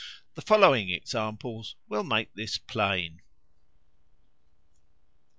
The following examples will make this plain.